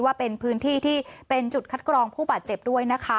ว่าเป็นพื้นที่ที่เป็นจุดคัดกรองผู้บาดเจ็บด้วยนะคะ